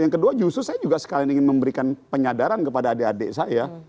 yang kedua justru saya juga sekalian ingin memberikan penyadaran kepada adik adik saya